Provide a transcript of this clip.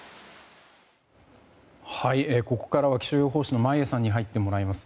ここからは気象予報士の眞家さんに入ってもらいます。